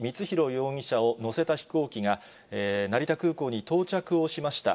容疑者を乗せた飛行機が、成田空港に到着をしました。